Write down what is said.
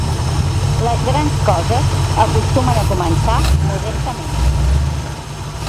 Les grans coses acostumen a començar modestament.